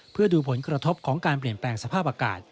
เพื่อดูผลกระทบของการเปลี่ยนแปลงสภาพอากาศ